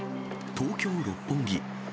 東京・六本木。